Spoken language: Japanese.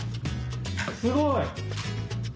すごい！